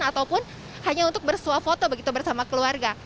ataupun hanya untuk bersuah foto begitu bersama keluarga